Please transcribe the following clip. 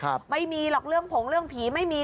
ก็งั้นไม่มีเรื่องหลงผงเลื่องผีไม่มี